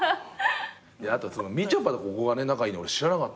あとみちょぱとここがね仲いいの知らなかったのよ。